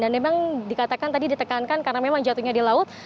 dan memang dikatakan tadi ditekankan karena memang jatuhnya di laut